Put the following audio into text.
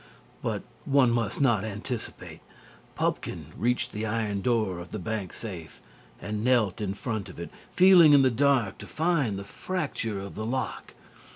But one must not anticipate. Pupkin reached the iron door of the bank safe, and knelt in front of it, feeling in the dark to find the fracture of the lock.